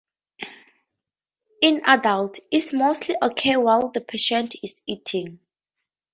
In adults, it mostly occurs while the patient is eating.